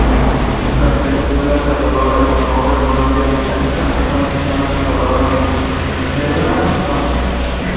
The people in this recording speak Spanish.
La película se rodó en Vancouver, Columbia Británica.Algunas escenas se rodaron en Cleveland Dam.